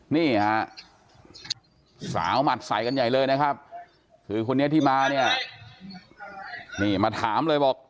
นี่ฮะสาวหมัดใส่กันใหญ่เลยนะครับคือคนนี้ที่มาเนี่ยนี่มาถามเลยบอก